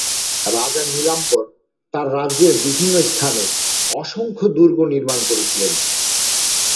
রাজা নীলাম্বর তার রাজ্যের বিভিন্ন স্থানে অসংখ্য দূর্গ নির্মাণ করেছিলেন।